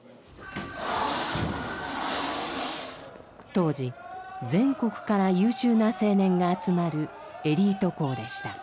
当時全国から優秀な青年が集まるエリート校でした。